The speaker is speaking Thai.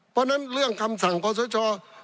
เพราะฉะนั้นเรื่องคำสั่งขอสช